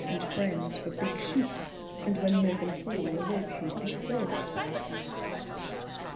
and friends for big shoots, and when Mervynhall awoke and bestirred itself.